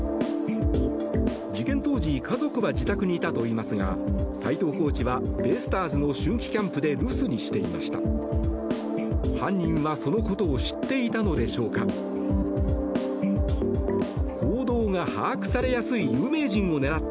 事件当時家族は自宅にいたといいますが斎藤コーチはベイスターズの春季キャンプで留守にしていました。